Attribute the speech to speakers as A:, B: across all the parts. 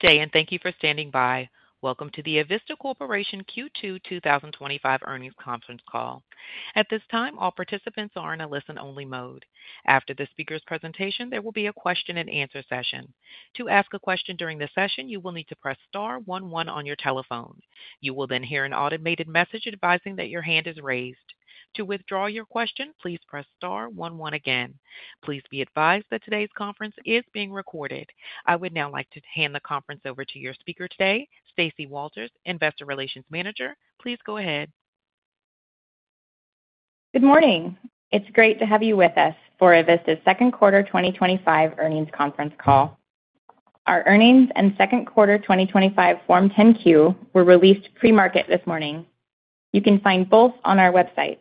A: Thank you for standing by. Welcome to the Avista Corporation Q2 2025 Earnings Conference Call. At this time, all participants are in a listen-only mode. After the speaker's presentation, there will be a question and answer session. To ask a question during the session, you will need to press star one one on your telephone. You will then hear an automated message advising that your hand is raised. To withdraw your question, please press star one one again. Please be advised that today's conference is being recorded. I would now like to hand the conference over to your speaker today, Stacey Walters, Investor Relations Manager. Please go ahead.
B: Good morning. It's great to have you with us for Avista's Second Quarter 2025 Earnings Conference Call. Our earnings and second quarter 2025 Form 10-Q were released pre-market this morning. You can find both on our website.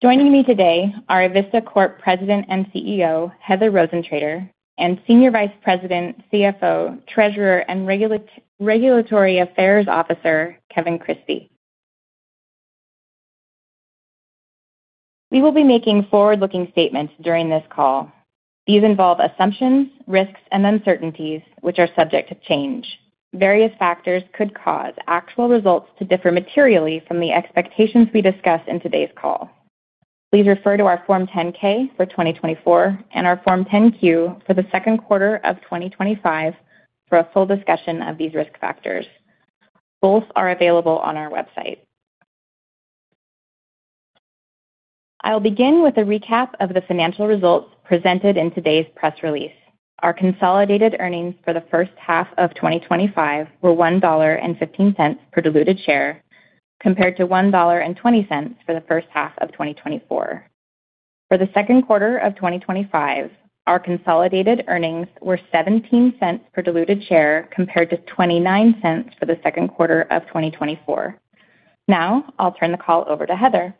B: Joining me today are Avista Corp President and CEO, Heather Rosentrater, and Senior Vice President, CFO, Treasurer, and Regulatory Affairs Officer, Kevin Christie. We will be making forward-looking statements during this call. These involve assumptions, risks, and uncertainties, which are subject to change. Various factors could cause actual results to differ materially from the expectations we discuss in today's call. Please refer to our Form 10-K for 2024 and our Form 10-Q for the second quarter of 2025 for a full discussion of these risk factors. Both are available on our website. I'll begin with a recap of the financial results presented in today's press release. Our consolidated earnings for the first half of 2025 were $1.15 per diluted share, compared to $1.20 for the first half of 2024. For the second quarter of 2025, our consolidated earnings were $0.17 per diluted share, compared to $0.29 for the second quarter of 2024. Now, I'll turn the call over to Heather.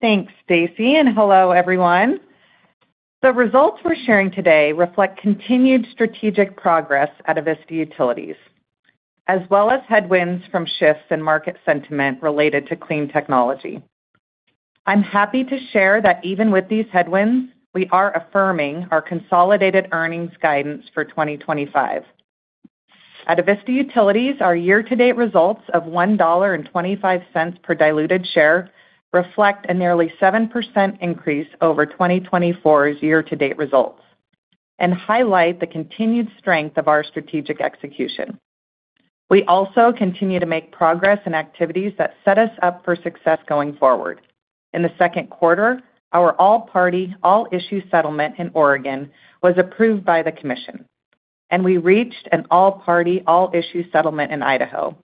C: Thanks, Stacey, and hello everyone. The results we're sharing today reflect continued strategic progress at Avista Utilities, as well as headwinds from shifts in market sentiment related to clean technology. I'm happy to share that even with these headwinds, we are affirming our consolidated earnings guidance for 2025. At Avista Utilities, our year-to-date results of $1.25 per diluted share reflect a nearly 7% increase over 2024's year-to-date results and highlight the continued strength of our strategic execution. We also continue to make progress in activities that set us up for success going forward. In the second quarter, our all-party, all-issue settlement in Oregon was approved by the Commission, and we reached an all-party, all-issue settlement in Idaho.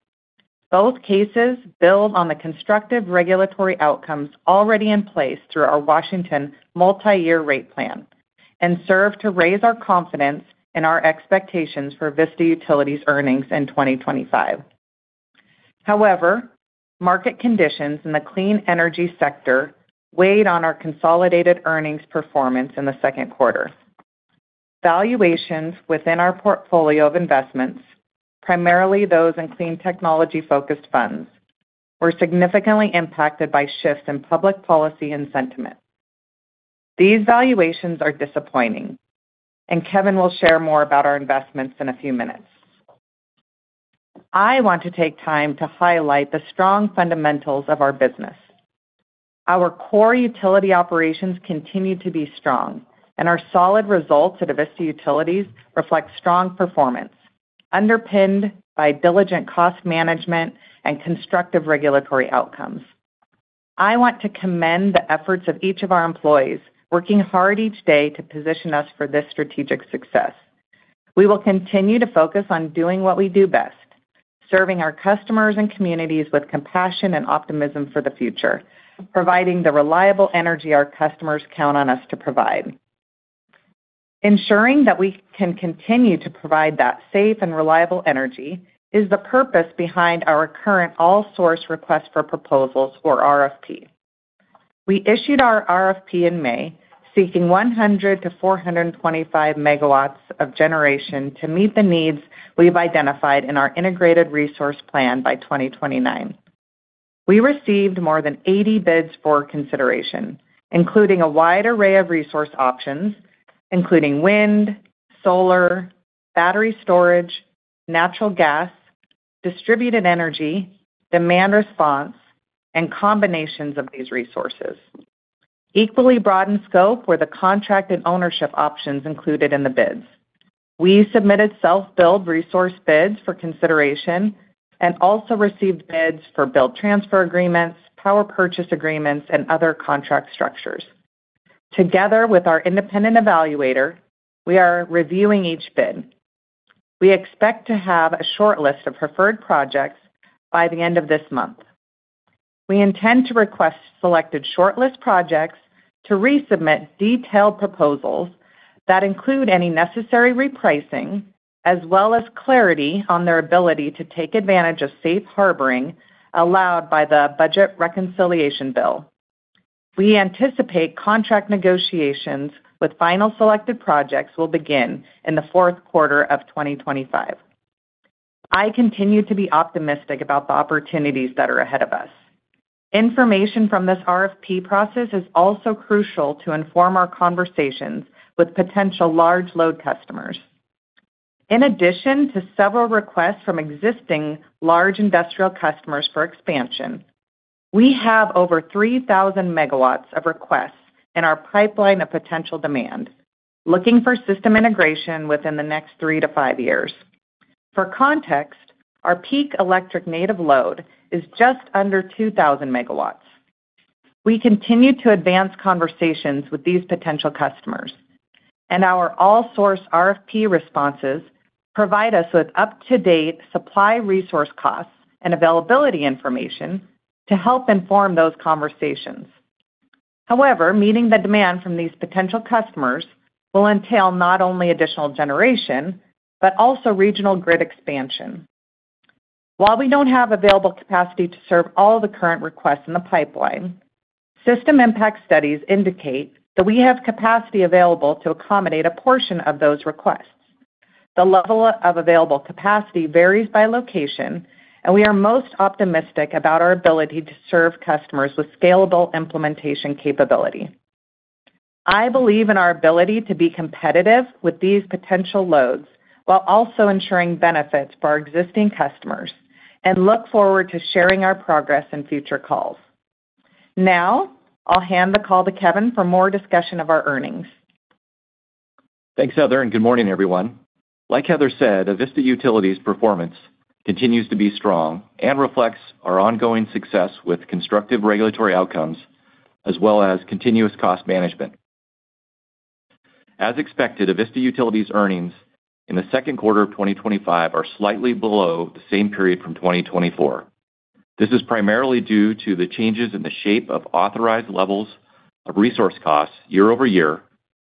C: Both cases build on the constructive regulatory outcomes already in place through our Washington multi-year rate plan and serve to raise our confidence in our expectations for Avista Utilities' earnings in 2025. However, market conditions in the clean energy sector weighed on our consolidated earnings performance in the second quarter. Valuations within our portfolio of investments, primarily those in clean technology-focused funds, were significantly impacted by shifts in public policy and sentiment. These valuations are disappointing, and Kevin will share more about our investments in a few minutes. I want to take time to highlight the strong fundamentals of our business. Our core utility operations continue to be strong, and our solid results at Avista Utilities reflect strong performance, underpinned by diligent cost management and constructive regulatory outcomes. I want to commend the efforts of each of our employees working hard each day to position us for this strategic success. We will continue to focus on doing what we do best: serving our customers and communities with compassion and optimism for the future, providing the reliable energy our customers count on us to provide. Ensuring that we can continue to provide that safe and reliable energy is the purpose behind our current all-source request for proposals, or RFP. We issued our RFP in May, seeking 100-425 MW of generation to meet the needs we've identified in our Integrated Resource Plan by 2029. We received more than 80 bids for consideration, including a wide array of resource options, including wind, solar, battery storage, natural gas, distributed energy, demand response, and combinations of these resources. Equally broad in scope were the contract and ownership options included in the bids. We submitted self-build resource bids for consideration and also received bids for build transfer agreements, power purchase agreements, and other contract structures. Together with our independent evaluator, we are reviewing each bid. We expect to have a shortlist of preferred projects by the end of this month. We intend to request selected shortlist projects to resubmit detailed proposals that include any necessary repricing, as well as clarity on their ability to take advantage of safe harboring allowed by the budget reconciliation bill. We anticipate contract negotiations with final selected projects will begin in the fourth quarter of 2025. I continue to be optimistic about the opportunities that are ahead of us. Information from this RFP process is also crucial to inform our conversations with potential large load customers. In addition to several requests from existing large industrial customers for expansion, we have over 3,000 MW of requests in our pipeline of potential demand, looking for system integration within the next three to five years. For context, our peak electric native load is just under 2,000 MW. We continue to advance conversations with these potential customers, and our all-source RFP responses provide us with up-to-date supply resource costs and availability information to help inform those conversations. However, meeting the demand from these potential customers will entail not only additional generation but also regional grid expansion. While we don't have available capacity to serve all the current requests in the pipeline, system impact studies indicate that we have capacity available to accommodate a portion of those requests. The level of available capacity varies by location, and we are most optimistic about our ability to serve customers with scalable implementation capability. I believe in our ability to be competitive with these potential loads while also ensuring benefits for our existing customers and look forward to sharing our progress in future calls. Now, I'll hand the call to Kevin for more discussion of our earnings.
D: Thanks, Heather, and good morning, everyone. Like Heather said, Avista Utilities' performance continues to be strong and reflects our ongoing success with constructive regulatory outcomes, as well as continuous cost management. As expected, Avista Utilities' earnings in the second quarter of 2025 are slightly below the same period from 2024. This is primarily due to the changes in the shape of authorized levels of resource costs year over year,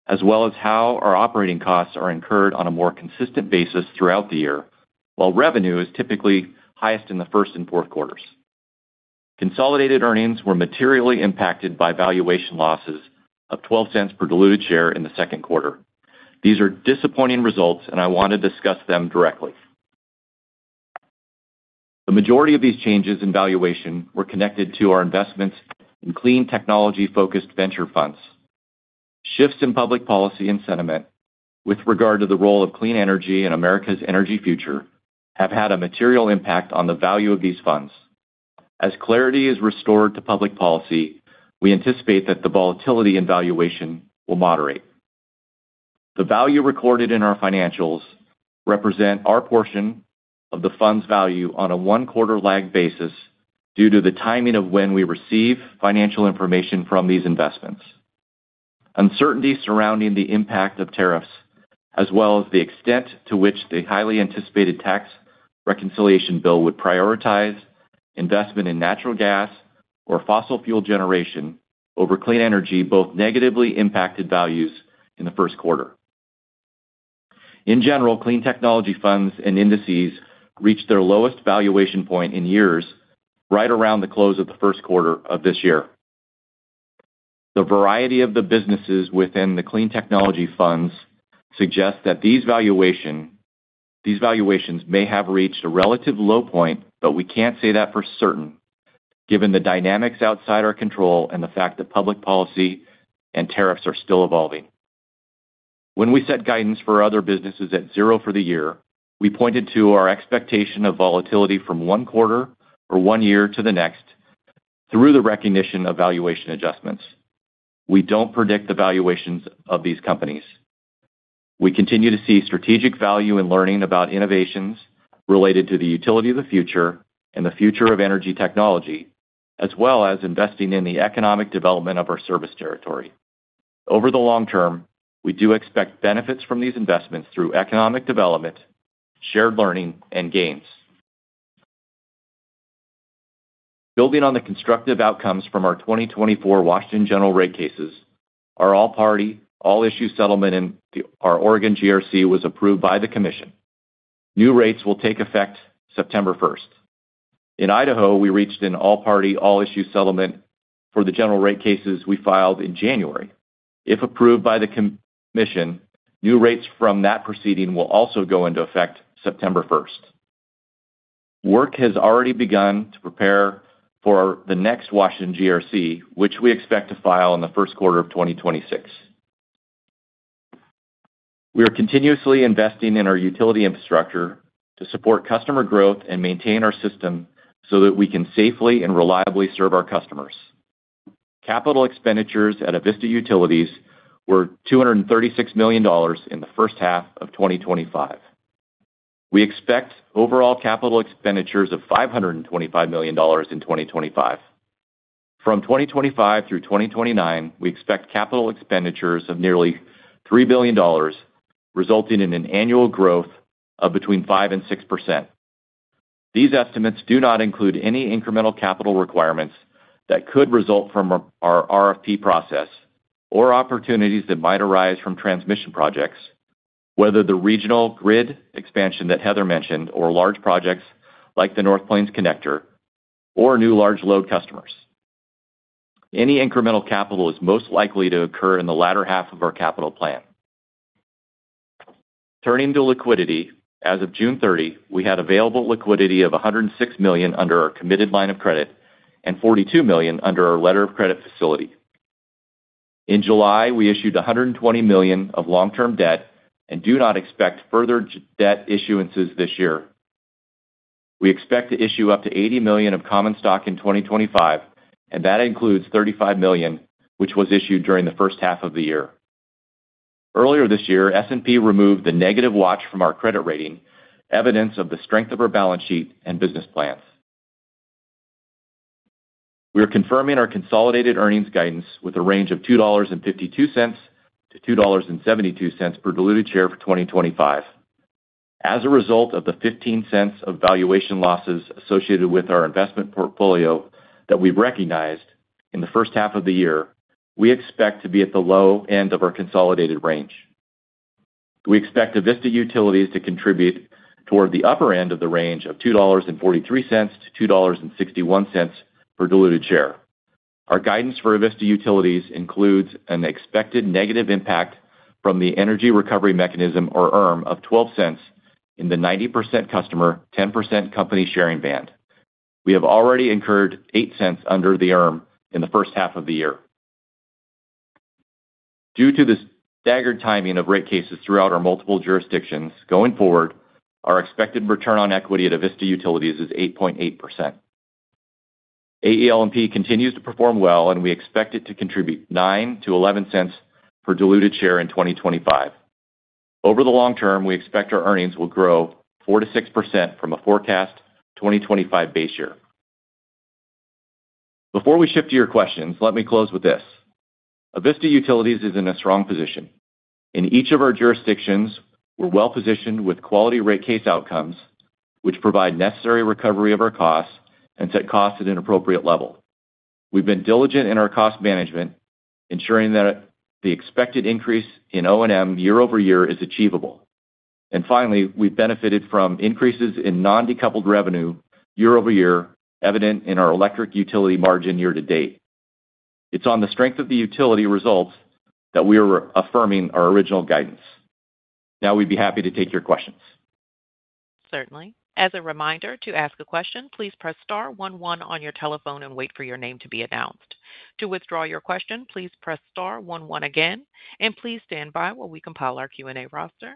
D: as well as how our operating costs are incurred on a more consistent basis throughout the year, while revenue is typically highest in the first and fourth quarters. Consolidated earnings were materially impacted by valuation losses of $0.12 per diluted share in the second quarter. These are disappointing results, and I want to discuss them directly. The majority of these changes in valuation were connected to our investments in clean technology-focused venture funds. Shifts in public policy and sentiment with regard to the role of clean energy in America's energy future have had a material impact on the value of these funds. As clarity is restored to public policy, we anticipate that the volatility in valuation will moderate. The value recorded in our financials represents our portion of the fund's value on a one-quarter lag basis due to the timing of when we receive financial information from these investments. Uncertainty surrounding the impact of tariffs, as well as the extent to which the highly anticipated tax reconciliation bill would prioritize investment in natural gas or fossil fuel generation over clean energy, both negatively impacted values in the first quarter. In general, clean technology funds and indices reached their lowest valuation point in years right around the close of the first quarter of this year. The variety of the businesses within the clean technology funds suggests that these valuations may have reached a relative low point, but we can't say that for certain given the dynamics outside our control and the fact that public policy and tariffs are still evolving. When we set guidance for other businesses at zero for the year, we pointed to our expectation of volatility from one quarter or one year to the next through the recognition of valuation adjustments. We don't predict the valuations of these companies. We continue to see strategic value in learning about innovations related to the utility of the future and the future of energy technology, as well as investing in the economic development of our service territory. Over the long term, we do expect benefits from these investments through economic development, shared learning, and gains. Building on the constructive outcomes from our 2024 Washington general rate cases, our all-party, all-issue settlement in our Oregon GRC was approved by the Commission. New rates will take effect September 1. In Idaho, we reached an all-party, all-issue settlement for the general rate cases we filed in January. If approved by the Commission, new rates from that proceeding will also go into effect September 1. Work has already begun to prepare for the next Washington GRC, which we expect to file in the first quarter of 2026. We are continuously investing in our utility infrastructure to support customer growth and maintain our system so that we can safely and reliably serve our customers. Capital expenditures at Avista Utilities were $236 million in the first half of 2025. We expect overall capital expenditures of $525 million in 2025. From 2025 through 2029, we expect capital expenditures of nearly $3 billion, resulting in an annual growth of between 5% and 6%. These estimates do not include any incremental capital requirements that could result from our RFP process or opportunities that might arise from transmission projects, whether the regional grid expansion that Heather mentioned, or large projects like the North Plains Connector, or new large load customers. Any incremental capital is most likely to occur in the latter half of our capital plan. Turning to liquidity, as of June 30, we had available liquidity of $106 million under our committed line of credit and $42 million under our letter of credit facility. In July, we issued $120 million of long-term debt and do not expect further debt issuances this year. We expect to issue up to $80 million of common stock in 2025, and that includes $35 million, which was issued during the first half of the year. Earlier this year, S&P removed the negative watch from our credit rating, evidence of the strength of our balance sheet and business plans. We are confirming our consolidated earnings guidance with a range of $2.52-$2.72 per diluted share for 2025. As a result of the $0.15 of valuation losses associated with our investment portfolio that we recognized in the first half of the year, we expect to be at the low end of our consolidated range. We expect Avista Utilities to contribute toward the upper end of the range of $2.43-$2.61 per diluted share. Our guidance for Avista Utilities includes an expected negative impact from the Energy Recovery Mechanism, of $0.12 in the 90% customer, 10% company sharing band. We have already incurred $0.08 in the first half of the year. Due to the staggered timing of rate cases throughout our multiple jurisdictions, going forward, our expected return on equity at Avista Utilities is 8.8%. AELMP continues to perform well, and we expect it to contribute $0.09-$0.11 per diluted share in 2025. Over the long term, we expect our earnings will grow 4% to 6% from a forecast 2025 base year. Before we shift to your questions, let me close with this: Avista Utilities is in a strong position. In each of our jurisdictions, we're well positioned with quality rate case outcomes, which provide necessary recovery of our costs and set costs at an appropriate level. We've been diligent in our cost management, ensuring that the expected increase in O&M year over year is achievable. Finally, we've benefited from increases in non-decoupled revenue year over year, evident in our electric utility margin year to date. It's on the strength of the utility results that we are affirming our original guidance. Now, we'd be happy to take your questions.
A: Certainly. As a reminder, to ask a question, please press star one one on your telephone and wait for your name to be announced. To withdraw your question, please press star one one again, and please stand by while we compile our Q&A roster.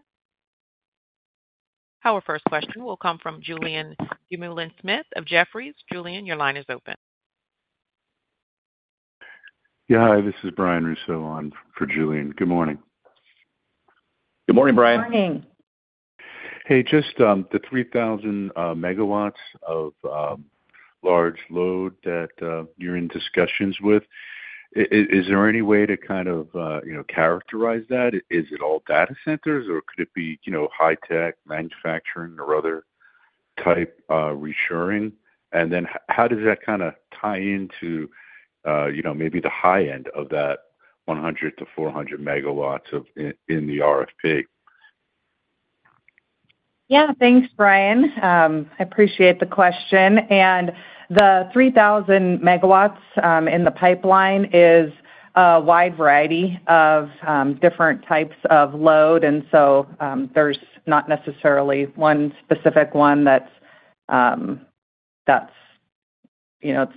A: Our first question will come from Julien Dumoulin-Smith of Jefferies. Julien, your line is open.
E: This is Brian Russo on for Julian. Good morning.
D: Good morning, Brian.
C: Good Morning.
E: Hey, just the 3,000 MW of large load that you're in discussions with, is there any way to kind of characterize that? Is it all data centers, or could it be high-tech manufacturing or other type reshoring? How does that kind of tie into maybe the high end of that 100-400 MW in the RFP?
C: Yeah, thanks, Brian. I appreciate the question. The 3,000 MW in the pipeline is a wide variety of different types of load, so there's not necessarily one specific one that's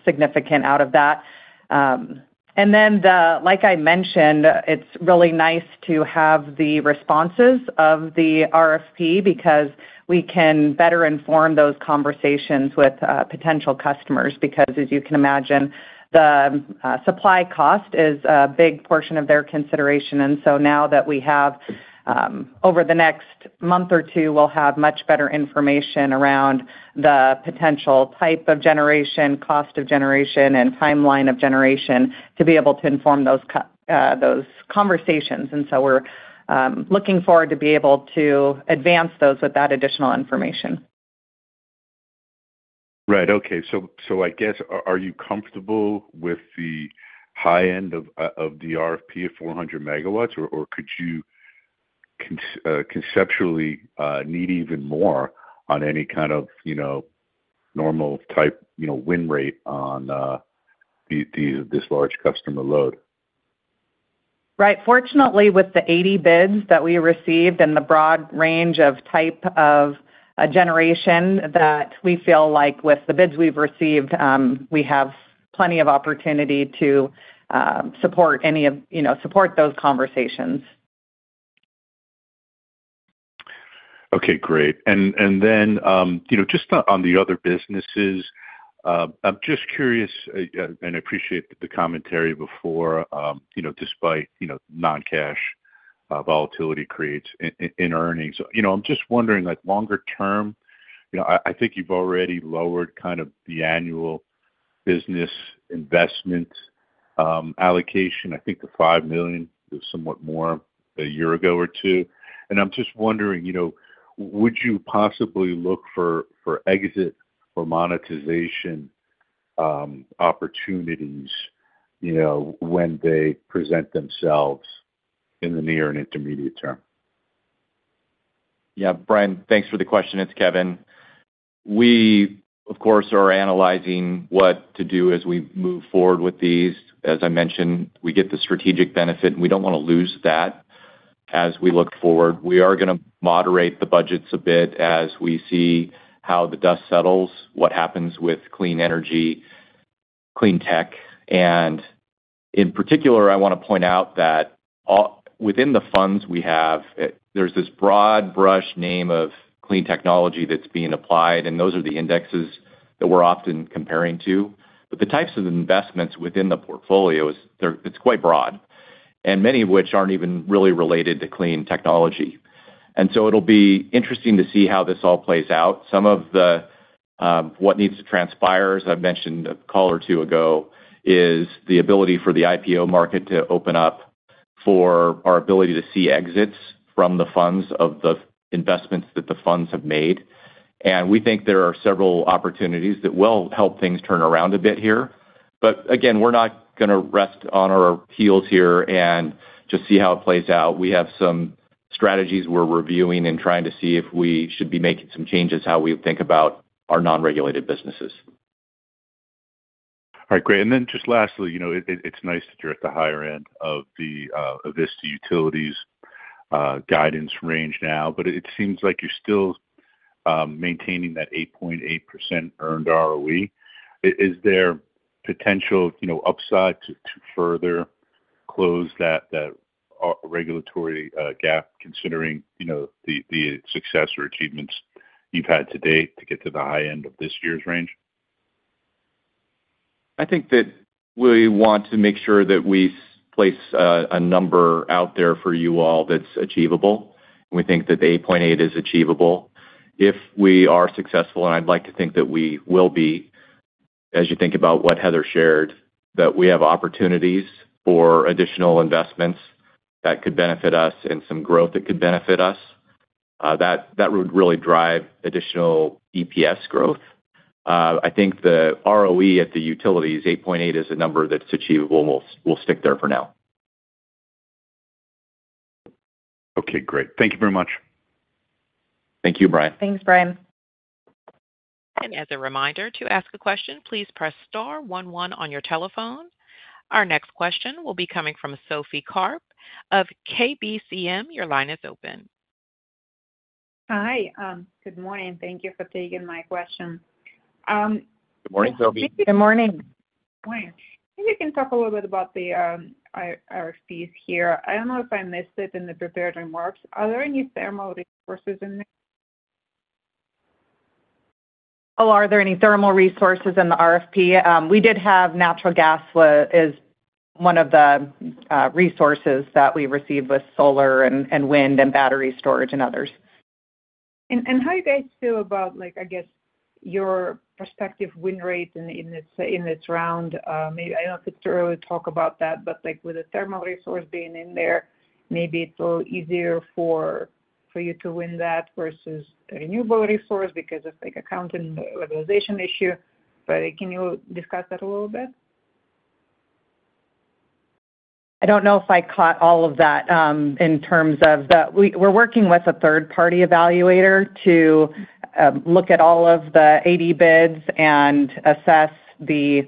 C: significant out of that. Like I mentioned, it's really nice to have the responses of the RFP because we can better inform those conversations with potential customers, because, as you can imagine, the supply cost is a big portion of their consideration. Now that we have, over the next month or two, we'll have much better information around the potential type of generation, cost of generation, and timeline of generation to be able to inform those conversations. We're looking forward to be able to advance those with that additional information.
E: Right. Okay. I guess are you comfortable with the high end of the RFP of 400 MW, or could you conceptually need even more on any kind of normal type win rate on this large customer load?
C: Right. Fortunately, with the 80 bids that we received and the broad range of type of generation, we feel like with the bids we've received, we have plenty of opportunity to support any of those conversations.
E: Okay, great. Just on the other businesses, I'm just curious, and I appreciate the commentary before, despite non-cash volatility creates in earnings. I'm just wondering, like longer term, I think you've already lowered kind of the annual business investment allocation, I think to $5 million, somewhat more a year ago or two. I'm just wondering, you know, would you possibly look for exit or monetization opportunities when they present themselves in the near and intermediate term?
D: Yeah, Brian, thanks for the question. It's Kevin. We, of course, are analyzing what to do as we move forward with these. As I mentioned, we get the strategic benefit, and we don't want to lose that as we look forward. We are going to moderate the budgets a bit as we see how the dust settles, what happens with clean energy, clean tech. In particular, I want to point out that within the funds we have, there's this broad brush name of clean technology that's being applied, and those are the indexes that we're often comparing to. The types of investments within the portfolios, it's quite broad, and many of which aren't even really related to clean technology. It'll be interesting to see how this all plays out. Some of what needs to transpire, as I mentioned a call or two ago, is the ability for the IPO market to open up for our ability to see exits from the funds of the investments that the funds have made. We think there are several opportunities that will help things turn around a bit here. We're not going to rest on our heels here and just see how it plays out. We have some strategies we're reviewing and trying to see if we should be making some changes how we think about our non-regulated businesses.
E: All right, great. Lastly, you know, it's nice that you're at the higher end of the Avista Utilities guidance range now, but it seems like you're still maintaining that 8.8% earned ROE. Is there potential upside to further close that regulatory gap considering the success or achievements you've had to date to get to the high end of this year's range?
D: I think that we want to make sure that we place a number out there for you all that's achievable. We think that the 8.8 is achievable. If we are successful, and I'd like to think that we will be, as you think about what Heather Rosentrater shared, we have opportunities for additional investments that could benefit us and some growth that could benefit us. That would really drive additional EPS growth. I think the ROE at the utilities, 8.8, is a number that's achievable, and we'll stick there for now.
E: Okay, great. Thank you very much.
D: Thank you, Brian.
C: Thanks, Brian.
A: As a reminder, to ask a question, please press star one one on your telephone. Our next question will be coming from Sophie Karp of KBCM. Your line is open.
F: Hi. Good morning. Thank you for taking my question.
D: Good morning, Sophie.
C: Good morning.
F: Morning. If you can talk a little bit about the RFPs here. I don't know if I missed it in the prepared remarks. Are there any thermal resources in the?
C: Are there any thermal resources in the RFP? We did have natural gas as one of the resources that we received, with solar and wind and battery storage and others.
F: How do you guys feel about, like, I guess, your perspective win rate in its round? Maybe I don't know if it's early to really talk about that, but with a thermal resource being in there, maybe it's a little easier for you to win that versus a renewable resource because of, like, accounting and utilization issue. Can you discuss that a little bit?
C: I don't know if I caught all of that in terms of we're working with a third-party evaluator to look at all of the 80 bids and assess the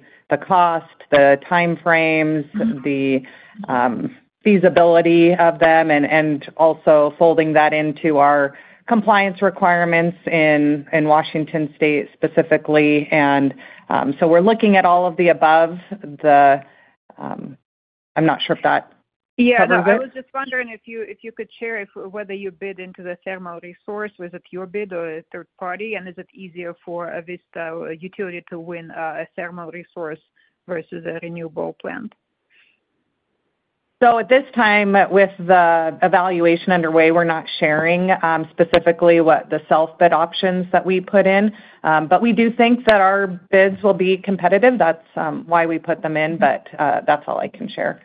C: cost, the timeframes, the feasibility of them, and also folding that into our compliance requirements in Washington State specifically. We're looking at all of the above. I'm not sure if that.
F: I was just wondering if you could share whether you bid into the thermal resource. Was it your bid or a third party? Is it easier for Avista Utilities to win a thermal resource versus a renewable plant?
C: At this time, with the evaluation underway, we're not sharing specifically what the self-bid options that we put in are. We do think that our bids will be competitive. That's why we put them in. That's all I can share.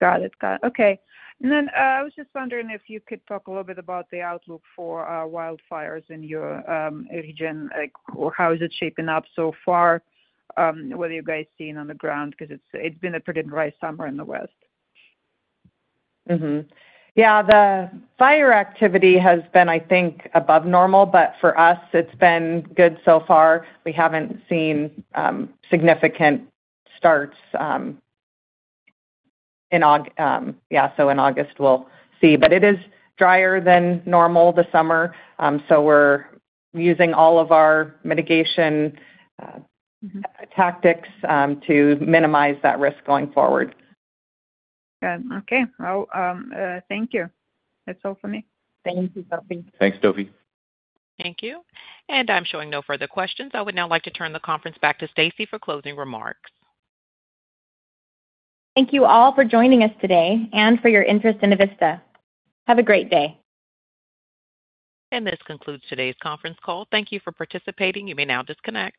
F: Got it. Okay. I was just wondering if you could talk a little bit about the outlook for wildfires in your region. How is it shaping up so far? What are you guys seeing on the ground? It's been a pretty dry summer in the West.
C: Yeah, the fire activity has been, I think, above normal, but for us, it's been good so far. We haven't seen significant starts. In August, we'll see. It is drier than normal this summer. We're using all of our mitigation tactics to minimize that risk going forward.
F: Good. Okay. Thank you. That's all for me.
C: Thank you, Sophie.
D: Thanks, Sophie.
A: Thank you. I'm showing no further questions. I would now like to turn the conference back to Stacey for closing remarks.
B: Thank you all for joining us today and for your interest in Avista. Have a great day.
A: This concludes today's conference call. Thank you for participating. You may now disconnect.